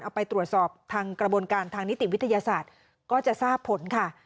เอาไปตรวจสอบทางกระบวนการทางนิติวิทยาศาสตร์ก็จะทราบผลค่ะ